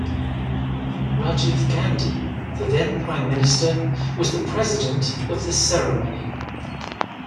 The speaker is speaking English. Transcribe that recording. Rajiv Gandhi, the then prime minister was the president of the ceremony.